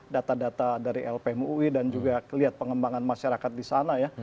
data data dari lpmui dan juga kelihatan pengembangan masyarakat di sana ya